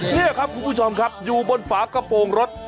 นี่ครับคุณผู้ชมครับอยู่บนฝากระโปรงรถ